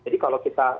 jadi kalau kita